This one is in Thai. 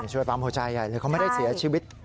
ช่วยปั๊มหัวใจใหญ่เลยเขาไม่ได้เสียชีวิต